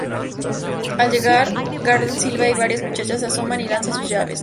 Al llegar, Gardel silba y varias muchachas se asoman y lanzan sus llaves.